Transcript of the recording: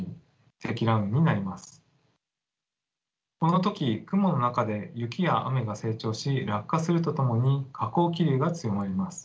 この時雲の中で雪や雨が成長し落下するとともに下降気流が強まります。